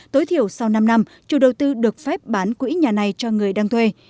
tối thiểu sau năm năm chủ đầu tư được phép bán quỹ nhà này cho người đang thuê